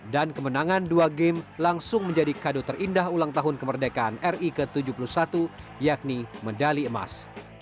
dan kemenangan dua game langsung menjadi kado terindah ulang tahun kemerdekaan ri ke tujuh puluh satu yakni medali emas